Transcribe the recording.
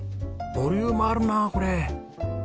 ボリュームあるなこれ。